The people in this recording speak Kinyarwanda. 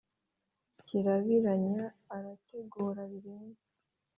kirabiranya arategura birenze